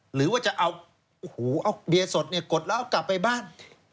หรือว่าที่จะเอาเบียสดควรพกดกลับไปบ้าน